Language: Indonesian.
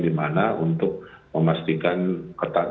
di mana untuk memastikan ketat